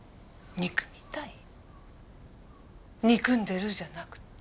憎んでるじゃなくて？